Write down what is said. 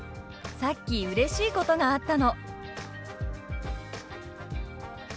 「さっきうれしいことがあったの」。